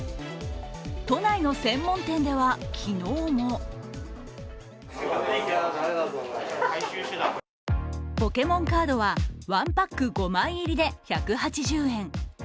都内の専門店では、昨日もポケモンカードは１パック５枚入りで１８０円。